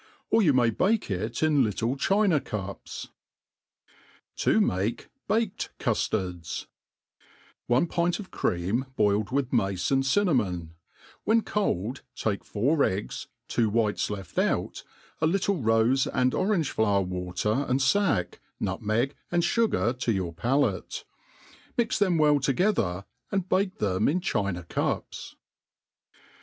Or you may bake it in litle china cups. To make baked Cuflardu ONE pint of cream boiled with mace and cinnamon ; when Cold, take four eggs, two whites left out, a little rofe and orange flower water and fack, nutmeg and fugar to your pa« late 5 mix them well together, and bake them in china cups.